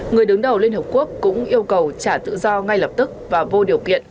người đứng đầu liên hợp quốc cũng yêu cầu trả tự do ngay lập tức và vô điều kiện